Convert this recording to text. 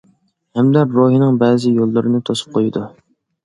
ھەمدە روھنىڭ بەزى يوللىرىنى توسۇپ قويىدۇ.